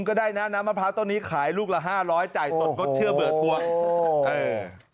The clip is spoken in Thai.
ใช่นะน้ำมะพร้าวตัวนี้ขายลูกละ๕๐๐บาทจ่ายตนก็เชื่อเบื่อทัวร์